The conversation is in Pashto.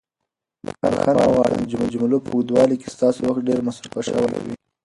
بښنه غواړم که د جملو په اوږدوالي کې ستاسو وخت ډېر مصرف شوی وي.